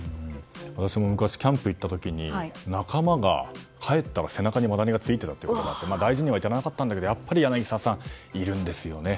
私も昔、キャンプに行った時に仲間が、帰ったら背中にマダニが付いてたってことがあって大事には至らなかったけどやっぱり柳澤さん、いるんですね。